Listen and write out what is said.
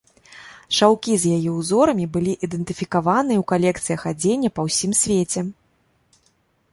Шаўкі з яе ўзорамі былі ідэнтыфікаваныя ў калекцыях адзення па ўсім свеце.